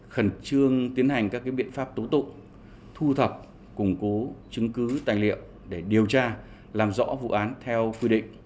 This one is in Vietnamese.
khẩn trương tiến hành các biện pháp tố tụng thu thập củng cố chứng cứ tài liệu để điều tra làm rõ vụ án theo quy định